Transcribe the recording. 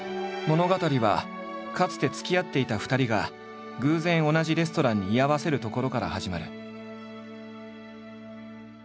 物語はかつてつきあっていた２人が偶然同じレストランに居合わせるところから始まる。